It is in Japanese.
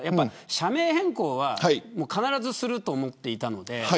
社名変更は必ずすると思っていたので。